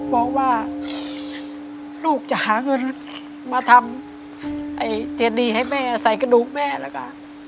บอกว่าลูกจะหาเงินมาทำไอ้เจดีให้แม่ใส่กระดูกแม่แล้วก็